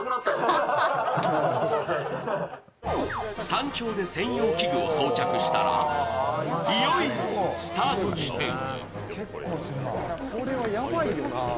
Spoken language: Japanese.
山頂で専用器具を装着したら、いよいよ、スタート地点へ。